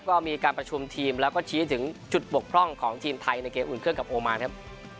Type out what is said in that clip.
ก็มีการประชุมทีมแล้วก็ชี้ถึงจุดบกพร่องของทีมไทยในเกมอุ่นเครื่องกับโอมานครับ